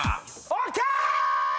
ＯＫ！